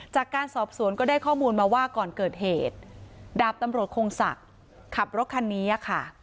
จากการสอบสวนก็ได้ข้อมูลมาว่าก่อนเกิดเหตุดาบตำรวจคงศักดิ์ขับรถคันนี้ค่ะ